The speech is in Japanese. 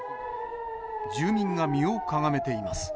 住民が身をかがめています。